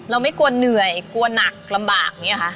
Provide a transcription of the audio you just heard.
ไม่กลัวเหนื่อยกลัวหนักลำบากอย่างนี้ค่ะ